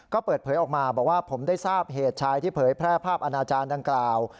ก็เปิดเผยออกมาบอกว่าผมได้ทราบเหตุชายที่เผยแพร่ภาพอาณาจารย์ดังกล่าว